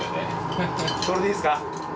それでいいです。